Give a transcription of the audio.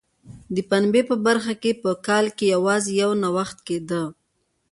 د پنبې په برخه کې په کال کې یوازې یو نوښت کېده.